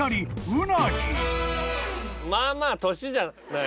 まあまあ年じゃない？